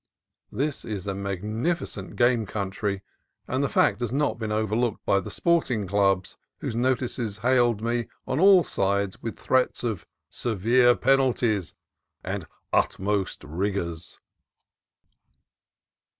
This is a magnificent game country, and the fact has not been overlooked by the sporting clubs, whose notices hailed me on all sides with threats of Severe Penalties and Utmost Rigors.